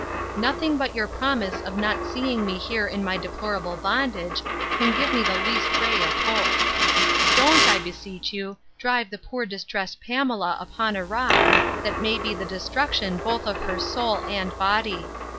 'Nothing but your promise of not seeing me here in my deplorable bondage, can give me the least ray of hope. 'Don't, I beseech you, drive the poor distressed Pamela upon a rock, that may be the destruction both of her soul and body!